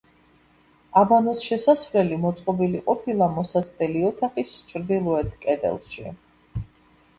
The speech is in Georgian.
აბანოს შესასვლელი მოწყობილი ყოფილა მოსაცდელი ოთახის ჩრდილოეთ კედელში.